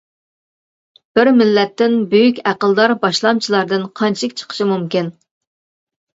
بىر مىللەتتىن بۈيۈك ئەقىلدار باشلامچىلاردىن قانچىلىك چىقىشى مۇمكىن.